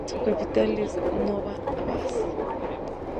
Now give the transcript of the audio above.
Su capital es Nova Vas.